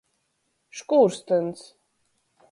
Škūrstyns.